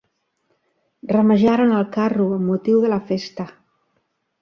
Ramejaren el carro amb motiu de la festa.